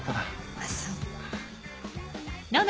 あっそう。